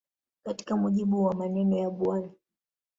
Katika mujibu wa maneno ya Bw.